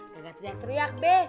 gak teriak teriak be